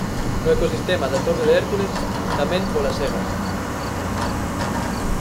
No ecosistema da Torre de Hércules tamén polas segas.